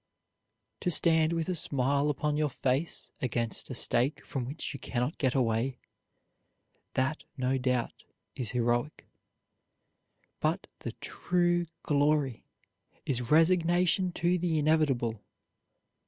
To stand with a smile upon your face against a stake from which you cannot get away that, no doubt, is heroic. But the true glory is resignation to the inevitable.